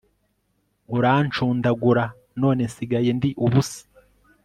urancundagura none nsigaye ndi ubusa